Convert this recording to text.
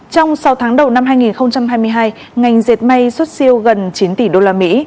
trong sáu tháng đầu năm hai nghìn hai mươi hai ngành diệt mây xuất siêu gần chín tỷ usd